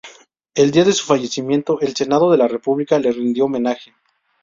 El día de su fallecimiento, el Senado de la República le rindió homenaje.